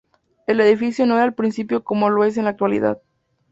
El edificio no era al principio como lo es en la actualidad.